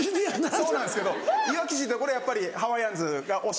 そうなんですけどいわき市ってこれやっぱりハワイアンズが押し